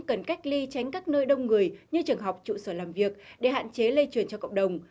cần cách ly tránh các nơi đông người như trường học trụ sở làm việc để hạn chế lây truyền cho cộng đồng